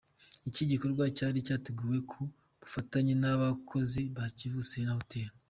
Iki gikorwa cyari cyateguwe ku bufatanye nabakozi ba Kivu Serena Hotel.